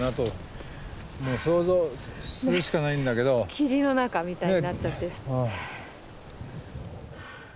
霧の中みたいになっちゃって。